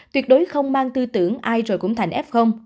tuyệt đối không mang tư tưởng ai rồi cũng thành f